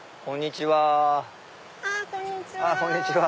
こんにちは。